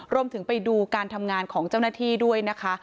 ไปดูการทำงานของเจ้าหน้าที่ด้วยนะคะ